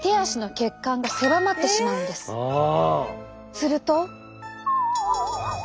すると。